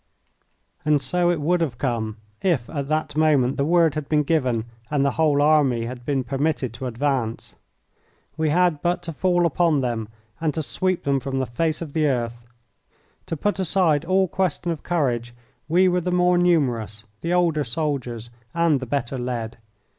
And so it would have come if at that moment the word had been given and the whole army had been permitted to advance. We had but to fall upon them and to sweep them from the face of the earth. To put aside all question of courage, we were the more numerous, the older soldiers, and the better led.